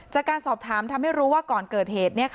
จากการสอบถามทำให้รู้ว่าก่อนเกิดเหตุ